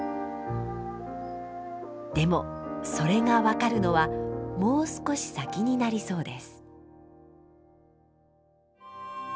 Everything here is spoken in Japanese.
でもそれが分かるのはもう少し先になりそうです。